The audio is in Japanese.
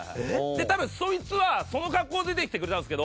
多分そいつはその格好で出てきてくれたんですけど